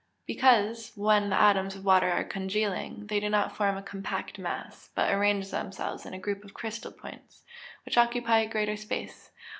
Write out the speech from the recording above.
_ Because, when the atoms of water are congealing, they do not form a compact mass, but arrange themselves in groups of crystal points, which occupy greater space.